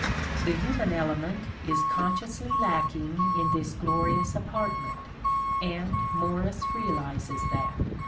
The human element is consciously lacking in this glorious apartment : and Morris realizes that.